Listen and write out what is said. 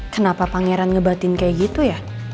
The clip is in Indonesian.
kenapa pangeran ngebatin kayak gitu ya